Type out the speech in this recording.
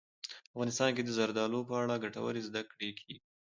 افغانستان کې د زردالو په اړه ګټورې زده کړې کېږي.